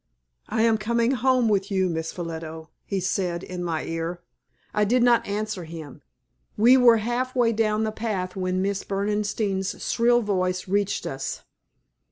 "I am coming home with you, Miss Ffolliot," he said, in my ear. I did not answer him. We were half way down the path when Miss Berdenstein's shrill voice reached us.